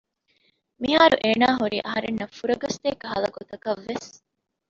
މިހާރު އޭނާ ހުރީ އަހަރެންނަށް ފުރަގަސްދޭ ކަހަލަ ގޮތަކަށްވެސް